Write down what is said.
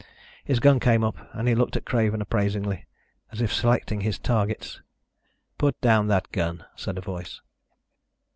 His gun came up and he looked at Craven appraisingly, as if selecting his targets. "Put down that gun," said a voice.